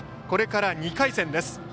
これから２回戦です。